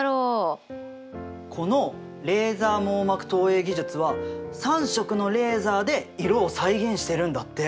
このレーザ網膜投影技術は３色のレーザで色を再現してるんだって。